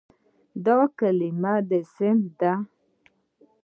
دا کلمه "صنف" ده.